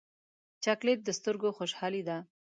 چاکلېټ د سترګو خوشحالي ده.